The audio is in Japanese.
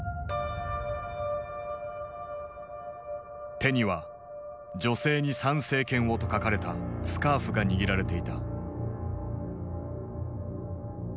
手には「女性に参政権を」と書かれたスカーフが握られていた。